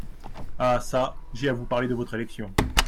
Ah çà ! j’ai à vous parler de votre élection…